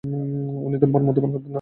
উনি ধূমপান বা মদ্যপান করতেন না।